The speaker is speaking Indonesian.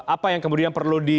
apa yang kemudian perubahannya